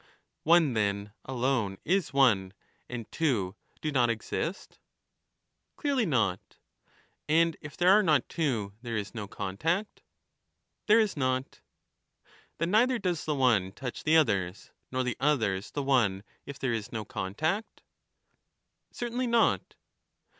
One, then, alone is one, and two do not exist ? Clearly not. And if there are not two, there is no contact ? There is not. Then neither does the one touch the others, nor the others the one, if there is no contact ? Certainly not.